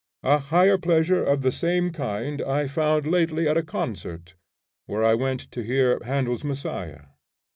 A higher pleasure of the same kind I found lately at a concert, where I went to hear Handel's Messiah.